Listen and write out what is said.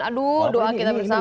aduh doa kita bersama